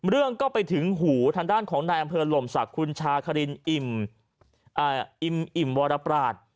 เรื่องก็ไปถึงหูทางด้านของนายอำเภอหล่มศักดิ์คุณชาครินอิ่มอิ่มวรปราศ